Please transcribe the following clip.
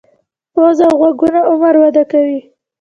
پوزه او غوږونه عمر وده کوي.